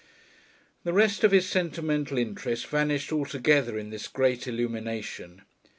The rest of his sentimental interests vanished altogether in this great illumination.